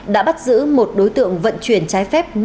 đã bắt giữ một đối tượng vận chuyển trái phép